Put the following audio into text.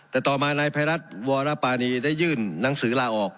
แต่ต่อมานายภัยรัฐวรปานีได้ยื่นหนังสือลาออก